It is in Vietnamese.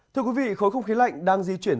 thưa quý vị khối không khí lạnh đang di chuyển